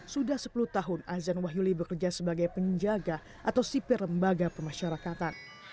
sudah sepuluh tahun azan wahyuli bekerja sebagai penjaga atau sipir lembaga pemasyarakatan